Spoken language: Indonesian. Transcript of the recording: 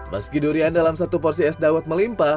meski durian dalam satu porsi es dawet melimpa